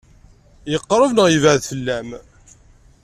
Yeqṛeb neɣ yebɛed fell-am?